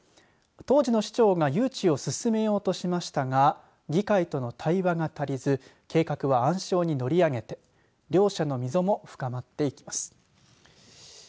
当時の市長が誘致を進めようとしましたが議会との対話が足りず計画は、暗礁に乗り上げて両者の溝も深まっていきます。